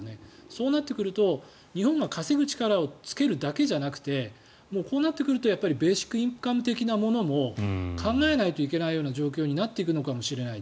そうなってくると、日本が稼ぐ力をつけるだけじゃなくてもうこうなってくるとベーシックインカム的なものも考えないといけないような状況になっていくかもしれない。